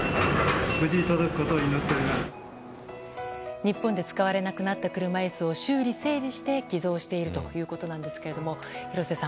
日本で使われなくなった車椅子を修理・整備して寄贈しているということでｓが廣瀬さん